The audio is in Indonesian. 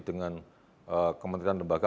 dengan kementerian lembaga